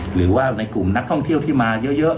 หรือว่าในกลุ่มนักท่องเที่ยวที่มาเยอะ